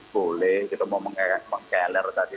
boleh kita mau mengkeler tadi